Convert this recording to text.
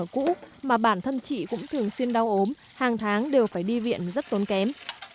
không bằng nơi ở cũ mà bản thân chị cũng thường xuyên đau ốm hàng tháng đều phải đi viện rất tốn kém